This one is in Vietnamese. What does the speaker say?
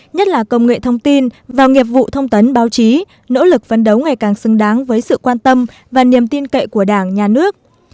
nhất là công nghệ thông tin và nghiệp vụ thông tấn báo chí nỗ lực phấn đấu ngày càng xứng đáng với sự quan tâm và niềm tin cậy của đảng nhà nước